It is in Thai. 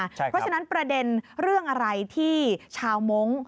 เพราะฉะนั้นประเด็นเรื่องอะไรที่ชาวมงค์